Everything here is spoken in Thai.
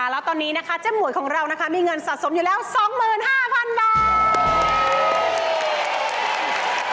แล้วตอนนี้นะคะเจ๊หมวยของเรานะคะมีเงินสะสมอยู่แล้ว๒๕๐๐๐บาท